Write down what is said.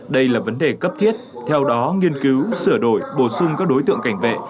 đây là vấn đề cấp thiết theo đó nghiên cứu sửa đổi bổ sung các đối tượng cảnh vệ